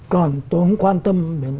còn tôi không quan tâm